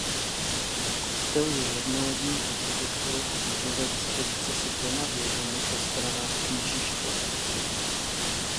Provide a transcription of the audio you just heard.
Kostel je jednolodní architekturou křížové dispozice se dvěma věžemi po stranách kněžiště.